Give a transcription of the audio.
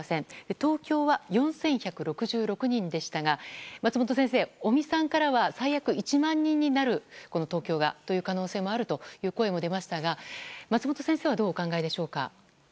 東京は４１６６人でしたが松本先生尾身さんからは東京が最悪１万人になる可能性がとの声も出ましたが、松本先生はどうお考えになりましたか？